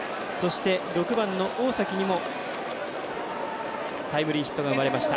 ６番の大崎にもタイムリーヒットが生まれました。